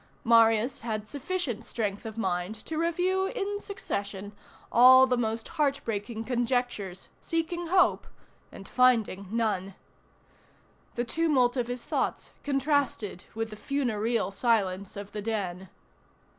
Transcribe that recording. Marius had sufficient strength of mind to review in succession all the most heart breaking conjectures, seeking hope and finding none. The tumult of his thoughts contrasted with the funereal silence of the den.